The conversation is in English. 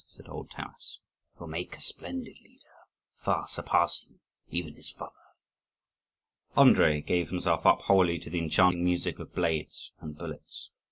said old Taras. "He will make a splendid leader, far surpassing even his father!" Andrii gave himself up wholly to the enchanting music of blades and bullets.